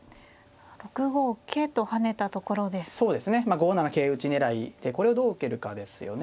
５七桂打ち狙いでこれをどう受けるかですよね。